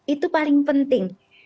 itu paling penting